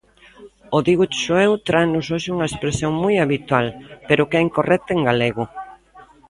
O DígochoEu tráenos hoxe unha expresión moi habitual, pero que é incorrecta en galego.